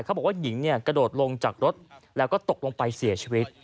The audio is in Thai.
เขาบอกว่าหญิงกระโดดลงจากรถแล้วก็ตกลงไปเสียชีวิต